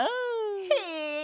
へえ！